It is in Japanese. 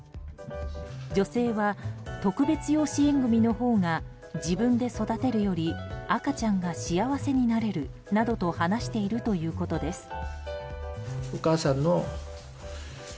女性は特別養子縁組のほうが自分で育てるより赤ちゃんが幸せになれるなどと話しているということです。